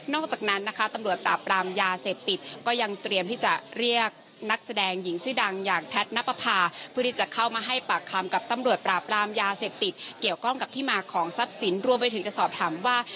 จากนั้นนะคะตำรวจปราบรามยาเสพติดก็ยังเตรียมที่จะเรียกนักแสดงหญิงชื่อดังอย่างแพทย์นับประพาเพื่อที่จะเข้ามาให้ปากคำกับตำรวจปราบรามยาเสพติดเกี่ยวข้องกับที่มาของทรัพย์สินรวมไปถึงจะสอบถามว่า